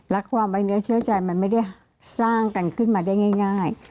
และความไว้เนื้อเชื่อใจมันไม่ได้สร้างกันขึ้นมาได้ง่าย